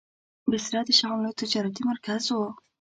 بصره د شام لوی تجارتي مرکز و.